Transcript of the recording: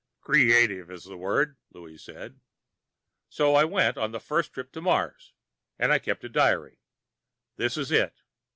"Creative is the word," Louie said. So I went on the first trip to Mars. And I kept a diary. This is it.